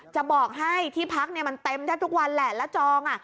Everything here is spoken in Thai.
จะบอกให้ที่พักมันเต็มได้ทุกวันแหละแล้วจอง